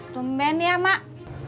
tumben ya mak